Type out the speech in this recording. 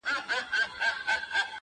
د دې شهید وطن په برخه څه زامن راغلي؛